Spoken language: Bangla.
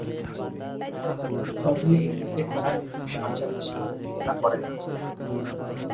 তবে এটিকে তারা ধর্মীয় আচার হিসাবে বিবেচনা করে না।